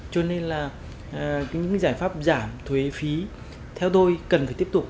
cho nên là những giải pháp giảm thuế phí theo tôi cần phải tiếp tục